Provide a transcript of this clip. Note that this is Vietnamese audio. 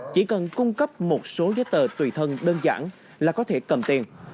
chỉ cần cung cấp một số giấy tờ tùy thân đơn giản là có thể cầm tiền